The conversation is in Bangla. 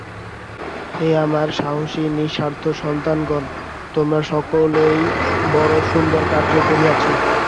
হে আমার সাহসী নিঃস্বার্থ সন্তানগণ, তোমরা সকলেই বড় সুন্দর কার্য করিয়াছ।